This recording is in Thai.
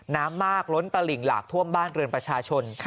น้ำมากล้นตลิ่งหลากท่วมบ้านเรือนประชาชน